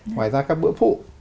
ngoài ra các bữa phụ